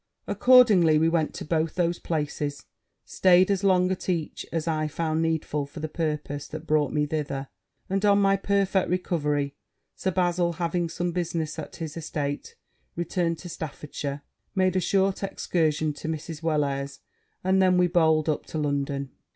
Accordingly, we went to both those places staid as long at each as I found needful for the purpose that brought me thither; and on my perfect recovery, Sir Bazil having some business at his estate, returned to Staffordshire made a short excursion to Mrs. Wellair's, and then we bowled up to London.